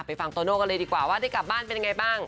ฟังโตโน่กันเลยดีกว่าว่าได้กลับบ้านเป็นยังไงบ้าง